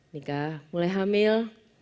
nikah mulai hamil